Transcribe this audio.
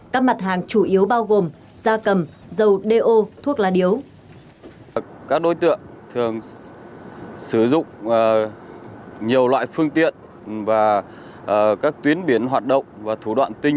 các mặt hàng chủ yếu bao gồm da cầm dầu đeo thuốc lá điếu